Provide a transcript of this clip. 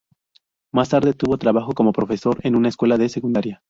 Más tarde obtuvo trabajo como profesor en una escuela de secundaria.